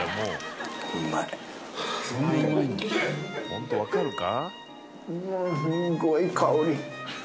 ホントわかるか？